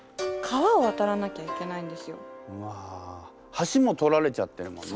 橋も取られちゃってるもんね。